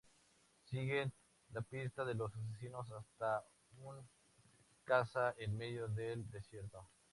Siguen la pista de los asesinos hasta un casa en medio del desierto.